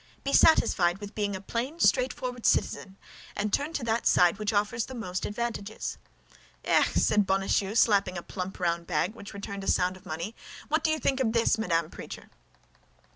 "Be satisfied with being a plain, straightforward citizen, and turn to that side which offers the most advantages." "Eh, eh!" said Bonacieux, slapping a plump, round bag, which returned a sound a money; "what do you think of this, Madame Preacher?"